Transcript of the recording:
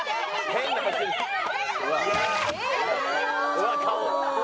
うわっ顔。